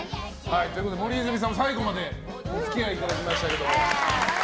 森泉さんも最後までお付き合いいただきました。